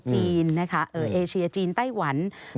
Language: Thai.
จีนนะคะเอเชียจีนไต้หวัน